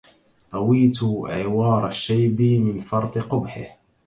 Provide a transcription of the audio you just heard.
طويت عوار الشيب من فرط قبحه